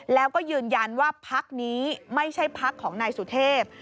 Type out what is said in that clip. แล้วก็ยืนยันว่าพักนี้ไม่ใช่พักของนายสุเทพ